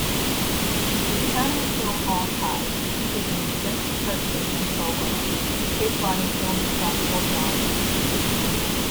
The Academy Film Archive features an extensive preservation program, safeguarding films across all genres.